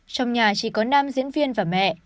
trong nhà chỉ có nam diễn viên và mẹ